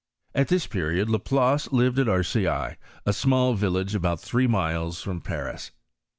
At thi* period La Place hved at Arcueil, a small village about three miles from Paris.